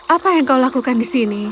apa yang kau lakukan di sini